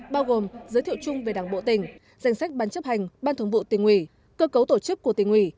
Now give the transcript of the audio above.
bao gồm giới thiệu chung về đảng bộ tỉnh danh sách bán chấp hành ban thống vụ tỉnh ủy cơ cấu tổ chức của tỉnh ủy